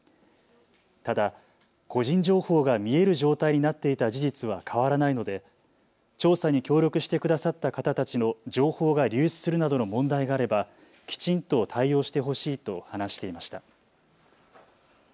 ただ個人情報が見える状態になっていた事実は変わらないので調査に協力してくださった方たちの情報が流出するなどの問題があればきちんと対応してほしいと話していました。